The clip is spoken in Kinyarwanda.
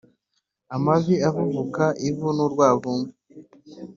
Amavi avuvuka ivu n'urwavumba